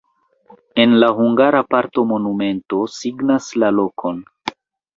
En la hungara parto monumento signas la lokon.